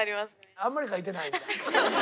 あんまり描いてないんだ。